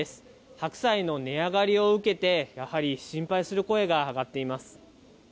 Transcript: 白菜の値上がりを受けて、やはり心配する声が上がっています。